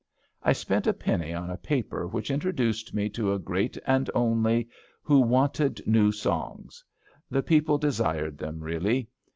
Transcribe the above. I spent a penny on a paper which introduced me to a Great and Only who *^ wanted new songs.'' The people de sired them really.